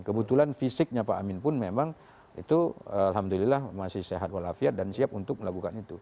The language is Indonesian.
kebetulan fisiknya pak amin pun memang itu alhamdulillah masih sehat walafiat dan siap untuk melakukan itu